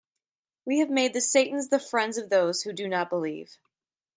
We have made the Satans the friends of those who do not believe.